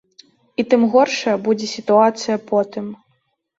І тым горшая будзе сітуацыя потым.